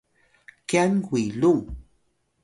kyan wilung